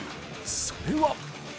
それは。